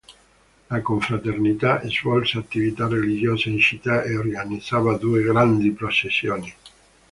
La confraternita svolse attività religiosa in città e organizzava due grandi processioni.